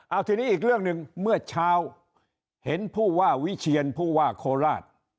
เอาทีนี้อีกเรื่องหนึ่งเมื่อเช้าเห็นผู้ว่าวิเชียนผู้ว่าโคราช